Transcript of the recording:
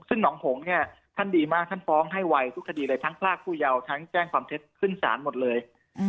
ซึ่งหนองหงษ์เนี่ยท่านดีมากท่านฟ้องให้ไวทุกคดีเลยทั้งพรากผู้เยาว์ทั้งแจ้งความเท็จขึ้นศาลหมดเลย